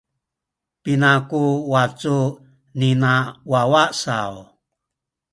Pina ku wacu nina wawa saw?